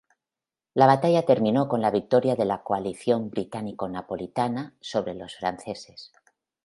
La batalla terminó con la victoria de la coalición británico-napolitana sobre los franceses.